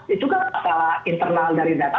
itu kan masalah internal dari data